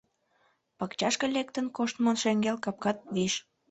Пакчашке лектын коштмо шеҥгел капкат виш.